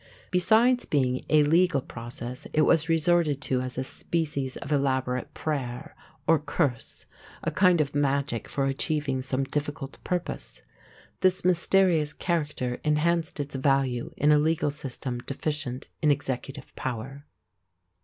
Besides being a legal process, it was resorted to as a species of elaborate prayer, or curse, a kind of magic for achieving some difficult purpose. This mysterious character enhanced its value in a legal system deficient in executive power.